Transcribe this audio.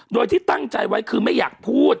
โดยที่ตั้งใจไว้คือไม่อยากพูด